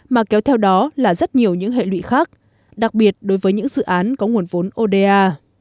mà kéo theo đó là rất nhiều những hệ lụy khác đặc biệt đối với những dự án có nguồn vốn oda